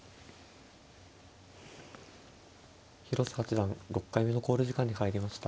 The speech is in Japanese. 広瀬八段６回目の考慮時間に入りました。